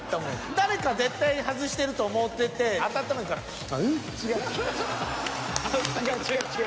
誰か絶対外してると思うてて当たったもんやから違う。